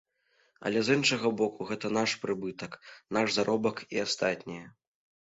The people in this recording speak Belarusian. Але, з іншага боку, гэта наш прыбытак, наш заробак і астатняе.